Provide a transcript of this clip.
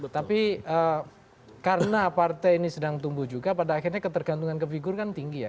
tapi karena partai ini sedang tumbuh juga pada akhirnya ketergantungan ke figur kan tinggi ya